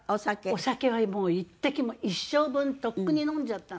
お酒はもう１滴も一生分とっくに飲んじゃったの。